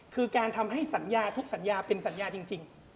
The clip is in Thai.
คือการทำให้สัญญาทุกสัญญาเป็นสัญญาจริง